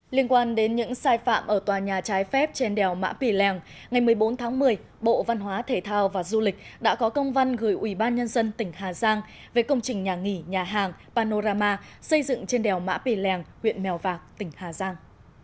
liên quan đến những sai phạm ở tòa nhà trái phép trên đèo mã pì lèng ngày một mươi bốn tháng một mươi bộ văn hóa thể thao và du lịch đã có công văn gửi ubnd tỉnh hà giang về công trình nhà nghỉ nhà hàng panorama xây dựng trên đèo mã pì lèng huyện mèo vạc tỉnh hà giang